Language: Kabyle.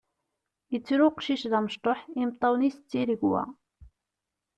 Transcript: Yettru uqcic d amecṭuḥ, imeṭṭawen-is d tiregwa.